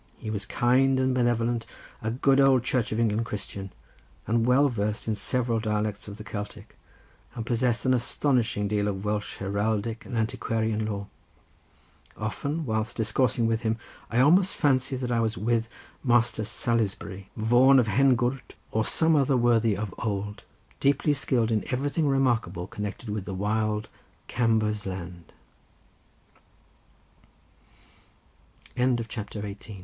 He was kind and benevolent, a good old Church of England Christian, was well versed in several dialects of the Celtic, and possessed an astonishing deal of Welsh heraldic and antiquarian lore. Often whilst discoursing with him I almost fancied that I was with Master Salisburie, Vaughan of Hengwrt, or some other worthy of old, deeply skilled in everything remarkable connected with wild "Camber's Lande." CHAPTER XIX The V